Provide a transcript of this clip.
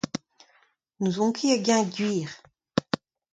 N’ouzon ket hag-eñ eo gwir.